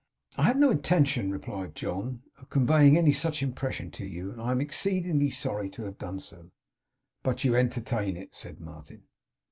'I had no intention,' replied John, 'of conveying any such impression to you, and am exceedingly sorry to have done so.' 'But you entertain it?' said Martin.